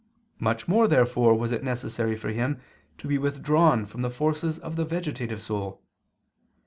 Much more, therefore, was it necessary for him to be withdrawn from the forces of the vegetative soul.